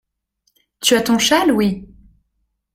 Tu as ton châle, oui ?